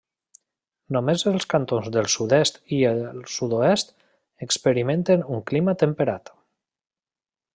Només els cantons del sud-est i el sud-oest experimenten un clima temperat.